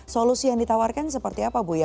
solusi yang ditawarkan seperti apa bu ya